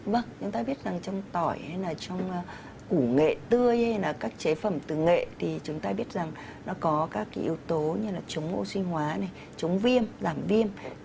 vâng chúng ta biết rằng trong tỏi hay là trong củ nghệ tươi hay là các chế phẩm từ nghệ thì chúng ta biết rằng nó có các yếu tố như là chống oxy hóa này chống viêm làm viêm